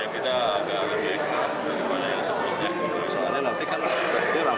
kita agak agak ekstra daripada yang sebelumnya